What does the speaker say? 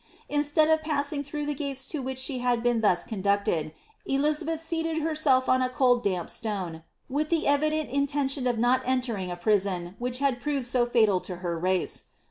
In^ctead of passing through the gates to which she had been thus conducted, Elizabetli sealed herself on a cold damp stone^ with the evident intention of not entering a prison which had proved so fatal to her race.